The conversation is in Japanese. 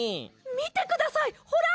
みてくださいほら！